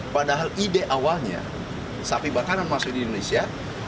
padahal ide awalnya sapi bakaran masuk di indonesia